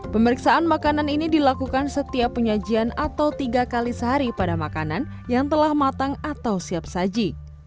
pemeriksaan makanan ini dilakukan setiap penyajian atau tiga kali sehari pada makanan yang telah matang atau siap saji